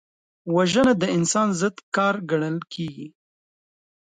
وژنه د انسان ضد کار ګڼل کېږي